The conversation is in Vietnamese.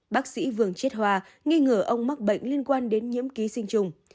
bác sĩ vương chiết hoa nghi ngờ ông mắc bệnh liên quan đến nhiễm ký sinh chủng